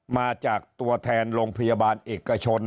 มาจากตัวแทนโรงพยาบาลเอกชน